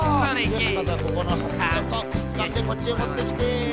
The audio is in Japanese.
よしまずはここのつかってこっちへもってきて。